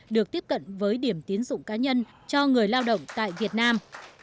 được tiếp cận với điểm tiến dụng cá nhân cho người lao động tại việt nam